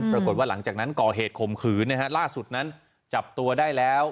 ปรากฏว่าหลังจากนั้นก่อเหตุข่มขืนนะฮะล่าสุดนั้นจับตัวได้แล้ว